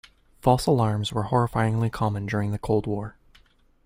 False alarms were horrifyingly common during the Cold War.